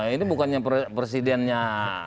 ini bukannya presidennya